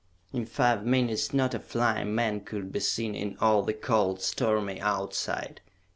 In five minutes not a flying man could be seen in all the cold, stormy outside.